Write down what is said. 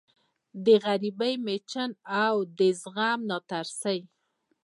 د غریبۍ مېچن او د زغم ناترسۍ